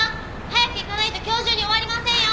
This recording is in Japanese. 早く行かないと今日中に終わりませんよ！